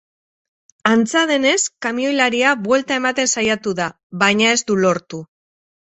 Antza denez, kamioilaria buelta ematen saiatu da, baina ez du lortu.